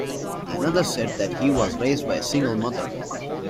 Another said that he was raised by a single mother.